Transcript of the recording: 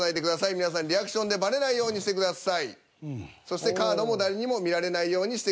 皆さんリアクションでバレないようにしてください。